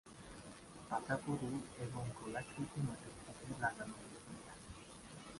পাতা পুরু এবং গোলাকৃতি মাটির সাথে লাগানো অবস্থায় থাকে।